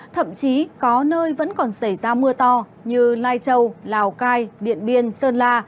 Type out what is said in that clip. thậm chí có nơi vẫn còn xảy ra mưa to như lai châu lào cai điện biên sơn la